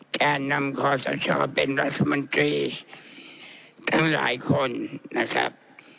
แก่นำคอสชเป็นรัฐมนตรีทั้งหลายคนนะครับ